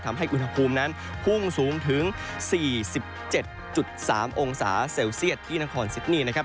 ทำให้อุณหภูมินั้นพุ่งสูงถึง๔๗๓องศาเซลเซียตที่นครซิดนี่นะครับ